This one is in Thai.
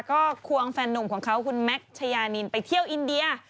ก็ควงแฟนนุ่มของเขาคุณแม็กชายานินไปเที่ยวอินเดีย